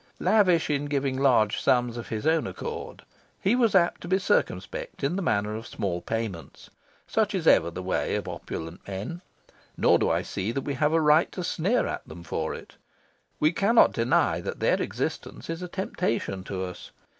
Lavish in giving large sums of his own accord, he was apt to be circumspect in the matter of small payments. Such is ever the way of opulent men. Nor do I see that we have a right to sneer at them for it. We cannot deny that their existence is a temptation to us.